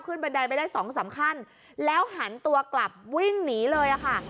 บันไดไปได้สองสามขั้นแล้วหันตัวกลับวิ่งหนีเลยอะค่ะ